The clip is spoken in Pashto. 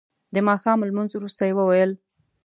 د ماښام لمونځ وروسته یې وویل.